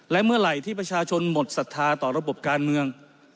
และเมื่อไหร่ที่ประชาชนหมดศรัทธาต่อระบบการเมือง